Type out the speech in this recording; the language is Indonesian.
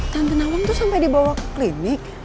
tante naung tuh sampai dibawa ke klinik